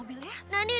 udah gan frustrating